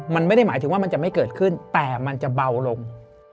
มันไม่ได้หมายถึงว่ามันจะไม่เกิดขึ้นแต่มันจะเบาลง